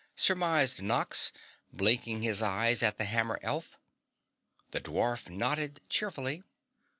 surmised Nox, blinking his eyes at the hammer elf. The dwarf nodded cheerfully.